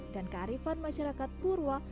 dan kearifan masyarakat purwo